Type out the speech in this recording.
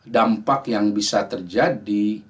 dampak yang bisa terjadi